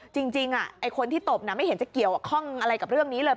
จริงคนที่ตบไม่เห็นจะเกี่ยวข้องอะไรกับเรื่องนี้เลย